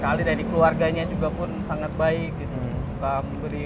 alhamdulillah saya sudah kenal baik dengan beliau karena saya sudah main itu dari kecil